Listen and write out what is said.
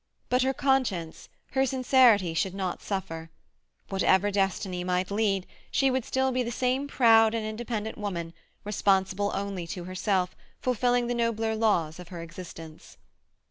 But her conscience, her sincerity should not suffer. Wherever destiny might lead, she would still be the same proud and independent woman, responsible only to herself, fulfilling the nobler laws of her existence.